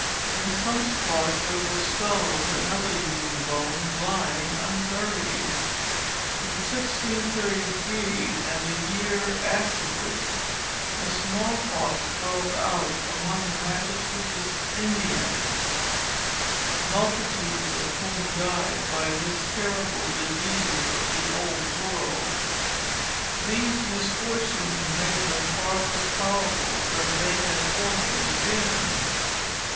In some spots, there were skulls and other human bones, lying unburied. In 1633, and the year afterwards, the smallpox broke out among the Massachusetts Indians, multitudes of whom died by this terrible disease of the old world. These misfortunes made them far less powerful than they had formerly been.